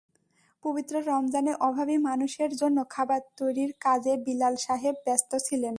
পবিত্র রমজানে অভাবী মানুষের জন্য খাবার তৈরির কাজে বিলাল সাহেব ব্যস্ত ছিলেন।